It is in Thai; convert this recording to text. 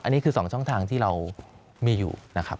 อันนี้คือ๒ช่องทางที่เรามีอยู่นะครับ